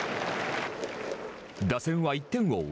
打線は１点を追う